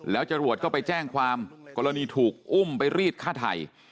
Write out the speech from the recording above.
แล้วจรวดก็ไปแจ้งความกรณีถูกอุ้มไปรีดฆ่าไทย